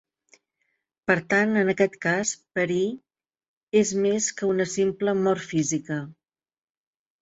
Per tant, en aquest cas "perir" és més que una simple mort física.